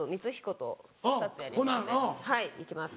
はいいきます。